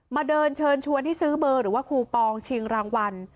มาเดินเชิญชวนให้ซื้อเบอร์หรือว่าคูปองชิงรางวัล